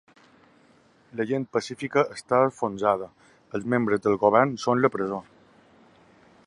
La gent pacífica està enfonsada, els membres del govern són a la presó.